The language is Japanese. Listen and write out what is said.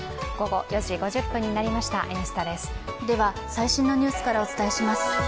最新のニュースからお伝えします。